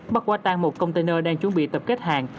bắt quả tan một container đang chuẩn bị tập kết hàng